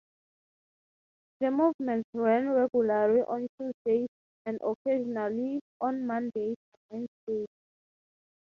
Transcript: The movements ran regularly on Tuesdays, and occasionally on Mondays and Wednesdays.